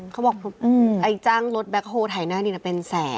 เขาบอกไอ้จ้างรถแบ็คโฮลถ่ายหน้านี่นะเป็นแสน